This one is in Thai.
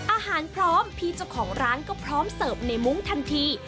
พร้อมพี่เจ้าของร้านก็พร้อมเสิร์ฟในมุ้งทันที